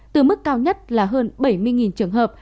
từ mức cao nhất là hơn bảy mươi trường hợp